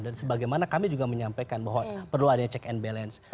dan sebagaimana kami juga menyampaikan bahwa perlu ada check and balance